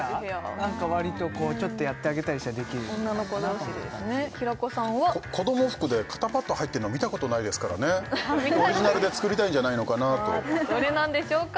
何か割とちょっとやってあげたりしたらできる女の子同士でですね平子さんは子ども服で肩パッド入ってるの見たことないですからねオリジナルで作りたいんじゃないのかなどれなんでしょうか？